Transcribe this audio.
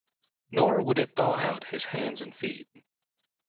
Nor would it thaw out his hands and feet.